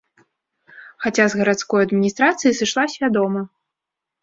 Хаця з гарадской адміністрацыі сышла свядома.